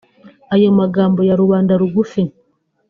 Ayo magambo ya rubanda rugufi